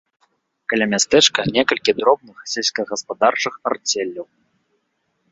Каля мястэчка некалькі дробных сельскагаспадарчых арцеляў.